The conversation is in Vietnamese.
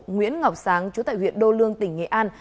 nguyễn ngọc sáng chú tại huyện đô lương tỉnh nghệ an